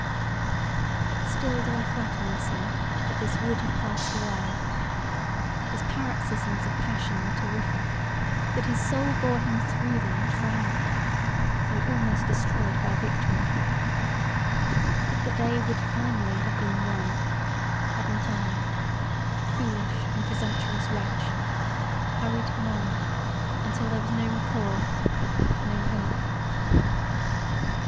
But still do I flatter myself that this would have passed away. His paroxisms of passion were terrific but his soul bore him through them triumphant, though almost destroyed by victory; but the day would finally have been won had not I, foolish and presumtuous wretch! hurried him on untill there was no recall, no hope.